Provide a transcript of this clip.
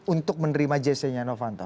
untuk menerima jc nya novanto